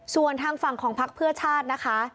ส่วนทางฝั่งของพักเพื่อชาตินะคะ